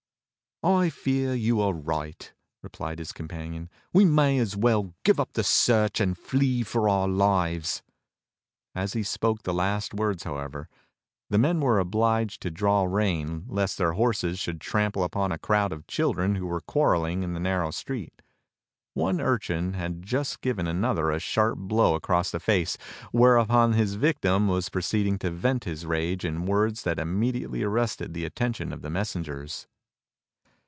"I fear you are right," replied his companion, "we may as well give up the search and flee for our lives." As he spoke the last words, however, the men were obliged to draw rein lest their horses should trample upon a crowd of children who were quarreling in the narrow street. One urchin had just given MERLIN AND HIS PROPHECIES 7 another a sharp blow across the face, whereupon his victim was pro ceeding to vent his rage in words that immediately arrested the atten tion of the messengers.